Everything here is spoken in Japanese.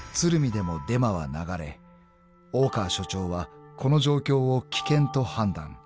でもデマは流れ大川署長はこの状況を危険と判断］